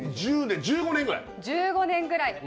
１５年ぐらい？